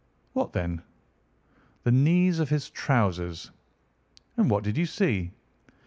"What then?" "The knees of his trousers." "And what did you see?"